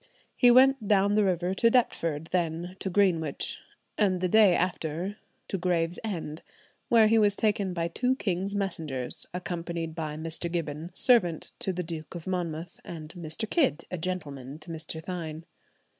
He went down the river to Deptford, then to Greenwich, and the day after to Gravesend, where he was taken by two king's messengers, accompanied by "Mr. Gibbons, servant to the Duke of Monmouth, and Mr. Kidd, gentleman to Mr. Thynne."